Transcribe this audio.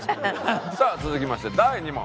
さあ続きまして第２問。